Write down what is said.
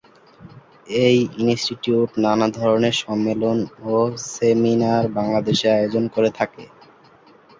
এই ইনস্টিটিউট নানা ধরনের সম্মেলন ও সেমিনার বাংলাদেশে আয়োজন করে থাকে।